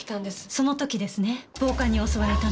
その時ですね暴漢に襲われたのは。